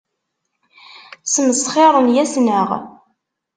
Smesxiren yes-neɣ.